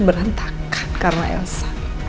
berantakan karena elsa